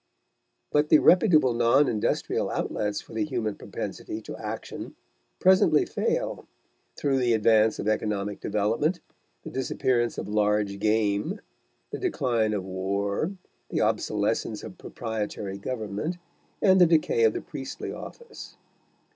But the reputable non industrial outlets for the human propensity to action presently fail, through the advance of economic development, the disappearance of large game, the decline of war, the obsolescence of proprietary government, and the decay of the priestly office.